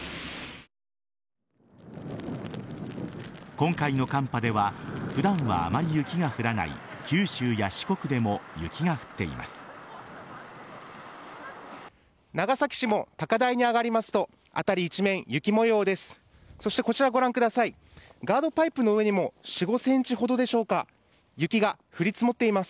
今回の寒波では普段はあまり雪が降らない九州や四国でも雪が降っています。